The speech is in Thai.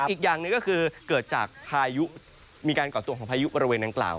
อีกอย่างหนึ่งก็คือเกิดจากพายุมีการก่อตัวของพายุบริเวณดังกล่าว